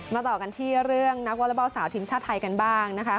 ต่อกันที่เรื่องนักวอเล็กบอลสาวทีมชาติไทยกันบ้างนะคะ